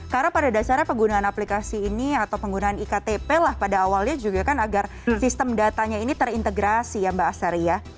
karena pada dasarnya penggunaan aplikasi ini atau penggunaan iktp lah pada awalnya juga kan agar sistem datanya ini terintegrasi ya mbak astari ya